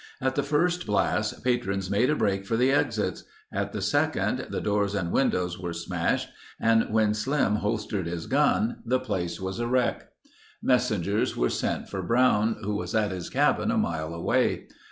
At the first blast, patrons made a break for the exits. At the second, the doors and windows were smashed and when Slim holstered his gun, the place was a wreck. Messengers were sent for Brown, who was at his cabin a mile away.